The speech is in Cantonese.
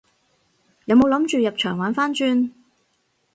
有冇諗住入場玩番轉？